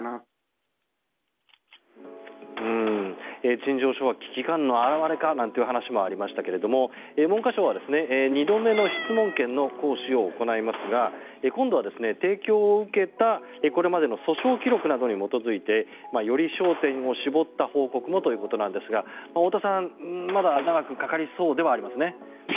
陳情書は危機感の表れかという話もありましたが文科省は２度目の質問権の行使を行いますが今度は提供を受けたこれまでの訴訟記録などに基づいてより焦点を絞った報告もということなんですが太田さん、まだ長くかかりそうではありますね。